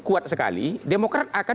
kuat sekali demokrat akan